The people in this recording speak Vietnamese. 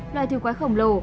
loài thù quái khổng lồ